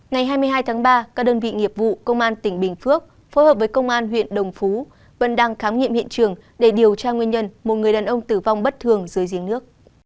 ngày hai mươi hai tháng ba các đơn vị nghiệp vụ công an tỉnh bình phước phối hợp với công an huyện đồng phú vẫn đang khám nghiệm hiện trường để điều tra nguyên nhân một người đàn ông tử vong bất thường dưới giếng nước